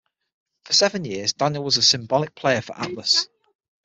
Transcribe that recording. For seven years Daniel was a symbolic player for Atlas.